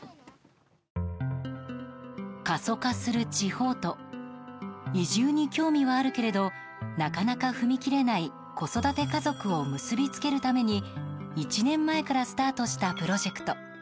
過疎化する地方と移住に興味はあるけれどなかなか踏み切れない子育て家族を結びつけるために１年前からスタートしたプロジェクト。